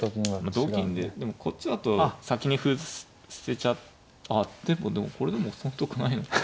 同金ででもこっちだと先に歩捨てちゃってもこれでも損得ないのか。